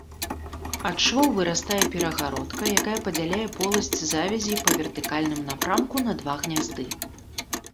Ад швоў вырастае перагародка, якая падзяляе поласць завязі па вертыкальным напрамку на два гнязды.